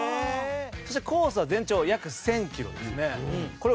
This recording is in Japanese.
そして、コースは全長約１０００ｋｍですね。